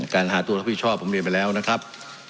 การหาตัวรับผิดชอบผมเรียนไปแล้วนะครับ